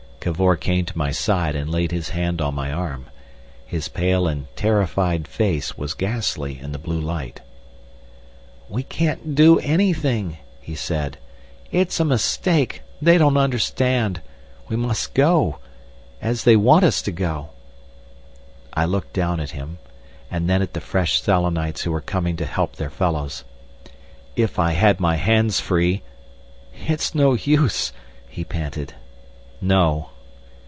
Cavor came to my side and laid his hand on my arm. His pale and terrified face was ghastly in the blue light. "We can't do anything," he said. "It's a mistake. They don't understand. We must go. As they want us to go." I looked down at him, and then at the fresh Selenites who were coming to help their fellows. "If I had my hands free—" "It's no use," he panted. "No."